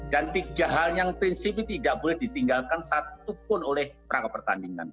dan tiga hal yang prinsipnya tidak boleh ditinggalkan satupun oleh rangka pertandingan